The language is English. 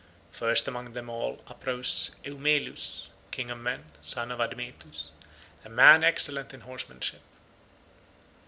First among them all uprose Eumelus, king of men, son of Admetus, a man excellent in horsemanship.